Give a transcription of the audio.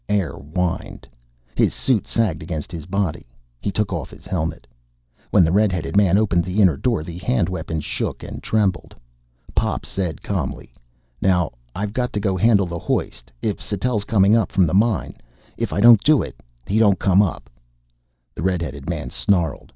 Air whined. His suit sagged against his body. He took off his helmet. When the red headed man opened the inner door, the hand weapon shook and trembled. Pop said calmly: "Now I've got to go handle the hoist, if Sattell's coming up from the mine. If I don't do it, he don't come up." The red headed man snarled.